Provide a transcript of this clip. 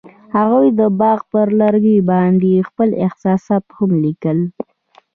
هغوی د باغ پر لرګي باندې خپل احساسات هم لیکل.